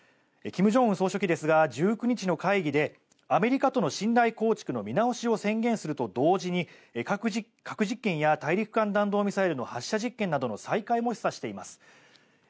金正恩総書記ですが１９日の会議でアメリカとの信頼構築の見直しを宣言すると同時に核実験や大陸間弾道ミサイルの発射実験などの再開も示唆しています。